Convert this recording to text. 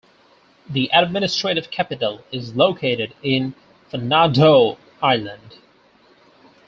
The administrative capital is located in Fonadhoo Island.